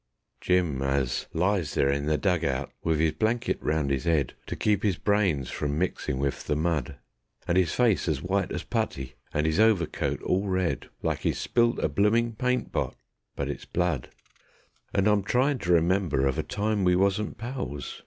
Jim as lies there in the dug out wiv 'is blanket round 'is 'ead, To keep 'is brains from mixin' wiv the mud; And 'is face as white as putty, and 'is overcoat all red, Like 'e's spilt a bloomin' paint pot but it's blood. And I'm tryin' to remember of a time we wasn't pals.